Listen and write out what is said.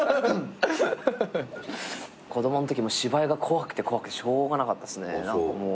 子供のときも芝居が怖くて怖くてしょうがなかったっすね。